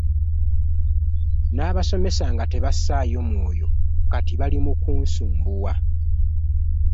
Nabasomesa nga tebassayo mwoyo kati bali mu kunsumbuwa .